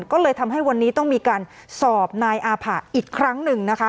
ก็เลยทำให้วันนี้ต้องมีการสอบนายอาผะอีกครั้งหนึ่งนะคะ